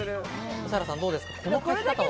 指原さん、どうですか？